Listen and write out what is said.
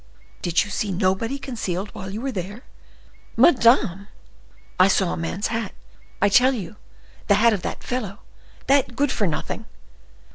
"Did you see nobody concealed while you were there?" "Madame!" "I saw a man's hat, I tell you—the hat of that fellow, that good for nothing!"